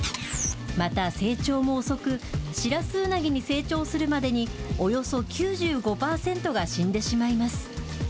また成長も遅く、シラスウナギに成長するまでに、およそ９５％が死んでしまいます。